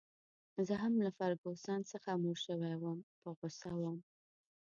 زه هم له فرګوسن څخه موړ شوی وم، په غوسه وم.